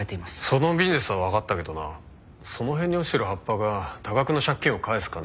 そのビジネスはわかったけどなその辺に落ちてる葉っぱが多額の借金を返す金に化けるか？